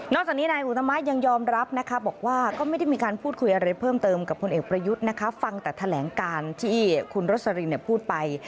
จากนี้นายอุตมะยังยอมรับนะคะบอกว่าก็ไม่ได้มีการพูดคุยอะไรเพิ่มเติมกับพลเอกประยุทธ์นะคะฟังแต่แถลงการที่คุณรสลินพูดไป